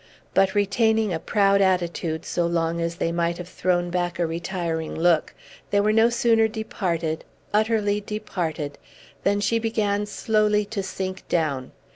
But, retaining a proud attitude so long as they might have thrown back a retiring look, they were no sooner departed, utterly departed, than she began slowly to sink down.